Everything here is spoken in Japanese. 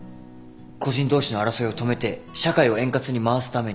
個人同士の争いを止めて社会を円滑に回すために。